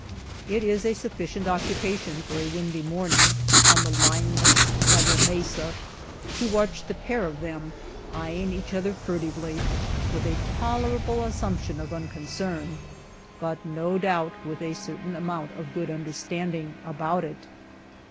It is a sufficient occupation for a windy morning, on the lineless, level mesa, to watch the pair of them eying each other furtively, with a tolerable assumption of unconcern, but no doubt with a certain amount of good un derstanding about it.